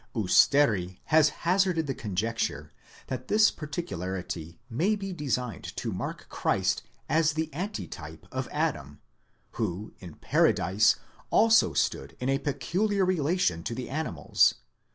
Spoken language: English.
° Usteri has hazarded the conjecture that this particu larity may be designed to mark Christ as the antitype of Adam, who, in Paradise, also stood in a peculiar relation to the animals